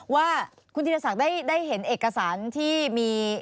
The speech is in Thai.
ว่าคุณธีรศักดิ์ได้เห็นเอกสารที่มี